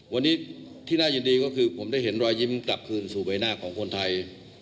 วันนี้ที่น่ายินดีก็คือผมได้เห็นรอยยิ้มกลับคืนสู่ใบหน้าของคนไทย